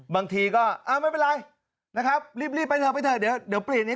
บางทีก็ไม่เป็นไรนะครับรีบไปเถอะไปเถอะเดี๋ยวเปลี่ยนนี้